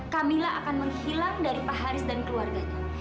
camilla akan menghilang dari pak haris dan keluarganya